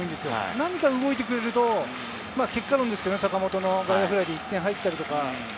何か動いてくれると結果論ですけれど、坂本の外野フライで１点入ったりとか。